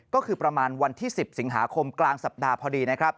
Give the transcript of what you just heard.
ก็คือประมาณวันที่๑๐สิงหาคมกลางสัปดาห์พอดีนะครับ